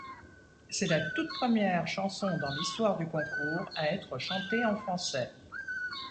C'est la toute première chanson dans l'histoire du concours à être chantée en français.